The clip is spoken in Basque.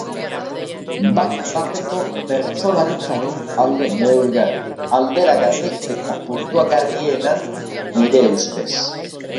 Bat-bateko bertsolaritzaren alde neurgarri, alderagarri eta puntuagarriena, nire ustez.